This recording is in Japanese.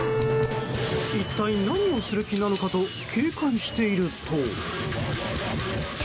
一体、何をする気なのかと警戒していると。